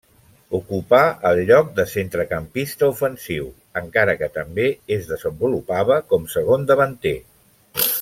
Ocupà el lloc de centrecampista ofensiu, encara que també es desenvolupava com segon davanter.